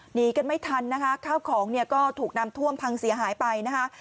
หนีกันไม่ทันนะคะข้าวของเนี่ยก็ถูกนำท่วมพังเสียหายไปนะคะ